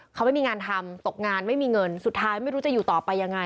เขาไม่มีงานทำตกงานไม่มีเงินสุดท้ายไม่รู้จะอยู่ต่อไปยังไง